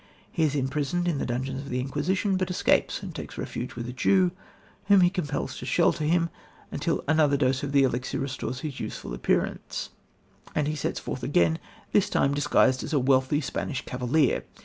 He is imprisoned in the dungeons of the Inquisition, but escapes, and takes refuge with a Jew, whom he compels to shelter him, until another dose of the elixir restores his youthful appearance, and he sets forth again, this time disguised as a wealthy Spanish cavalier.